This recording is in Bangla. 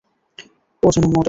ও যেন মরে।